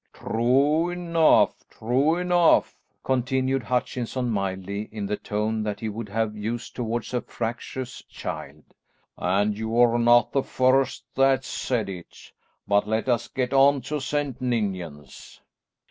"True enough, true enough," continued Hutchinson mildly, in the tone that he would have used towards a fractious child, "and you are not the first that's said it. But let us get on to St. Ninians."